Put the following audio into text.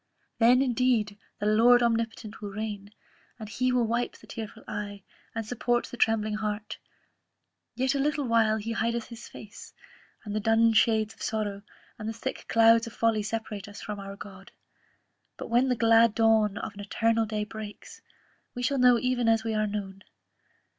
Then, indeed, the Lord Omnipotent will reign, and He will wipe the tearful eye, and support the trembling heart yet a little while He hideth his face, and the dun shades of sorrow, and the thick clouds of folly separate us from our God; but when the glad dawn of an eternal day breaks, we shall know even as we are known.